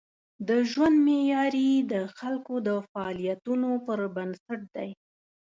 د ژوند معیاري د خلکو د فعالیتونو پر بنسټ دی.